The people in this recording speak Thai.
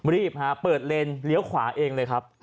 ฮะเปิดเลนเลี้ยวขวาเองเลยครับ